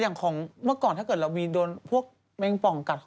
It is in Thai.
อย่างของเมื่อก่อนถ้าเกิดเรามีโดนพวกแมงป่องกัด